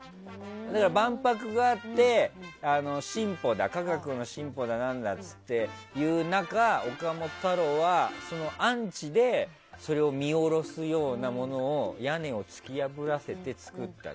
だから万博があって科学の進歩だなんだっていう中岡本太郎は、アンチでそれを見下ろすようなものを屋根を突き破らせて作った。